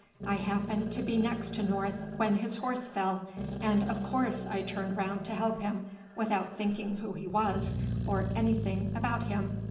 I happened to be next to North when his horse fell, and of course I turned round to help him without thinking who he was or anything about him.